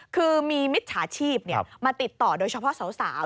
คือมีมิจฉาชีพมาติดต่อโดยเฉพาะสาว